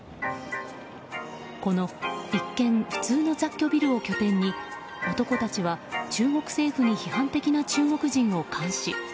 この一見普通の雑居ビルを拠点に男たちは中国政府に批判的な中国人を監視。